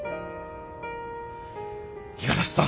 五十嵐さん